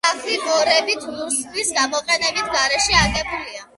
სახლი მორებით, ლურსმნის გამოყენების გარეშეა აგებული.